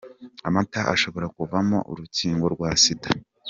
Amata ashobora kuvamo urukingo rwa sida